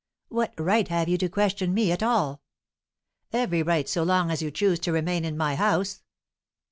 "What right have you to question me at all?" "Every right, so long as you choose to remain in my house."